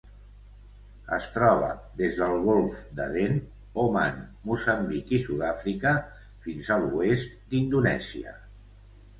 Es troba des del Golf d'Aden, Oman, Moçambic i Sud-àfrica fins a l'oest d'Indonèsia.